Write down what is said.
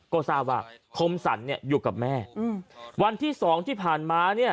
ก็ทราบว่าคมสรรเนี่ยอยู่กับแม่อืมวันที่สองที่ผ่านมาเนี่ย